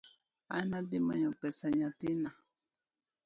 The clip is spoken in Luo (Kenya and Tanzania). An adhi manyo pesa nyathina